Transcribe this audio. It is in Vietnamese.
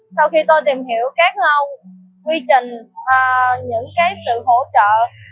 sau khi tôi tìm hiểu các lâu quy trình những cái sự hỗ trợ